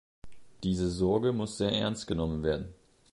Diese Sorge muss sehr ernst genommen werden.